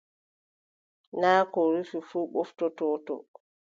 Naa ko rufi fuu ɓoftodottoo.